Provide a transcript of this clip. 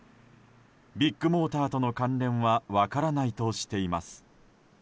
ビッグモーターとの関連は分からないとしています。